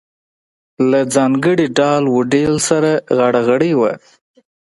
له ځانګړي ډال و ډیل سره غاړه غړۍ وه.